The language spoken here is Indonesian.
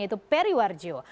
yaitu perry warjo